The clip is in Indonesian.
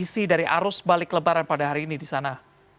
kondisi dari arus balik lebaran pada hari ini di sana